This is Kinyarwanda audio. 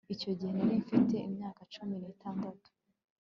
icyo gihe nari mfite imyaka cumi n'itandatu